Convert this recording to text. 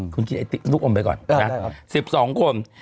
คุณคนชินไอ้ไติลูกชมไปก่อน